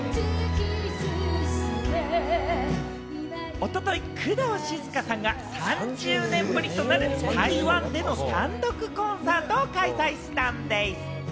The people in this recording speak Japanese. おととい、工藤静香さんが３０年ぶりとなる台湾での単独コンサートを開催したんでぃす。